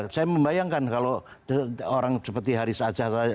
saya membayangkan kalau orang seperti haris aceh